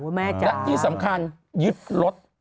และที่สำคัญยึดรถ